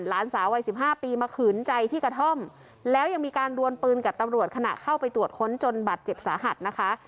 หลานสาววัยสิบห้าปีมาขืนใจที่กระท่อมแล้วยังมีการดวนปืนกับตำรวจขณะเข้าไปตรวจค้นจนบัตรเจ็บสาหัสนะคะ